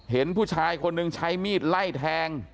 เห็นผู้ชายคนหนึ่งใช้มีดไล่แทง